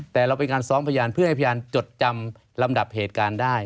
แต่เราเป็นการซ้อมพยานเพื่อให้พยานจดจำลำดับเหตุการณ์ได้